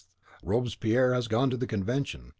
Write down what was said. Robespierre has gone to the Convention.